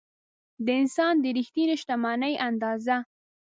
د انسان د رښتینې شتمنۍ اندازه.